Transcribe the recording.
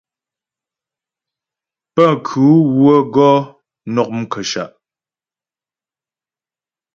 Pənkhʉ wə́ gɔ nɔ' mkəshâ'.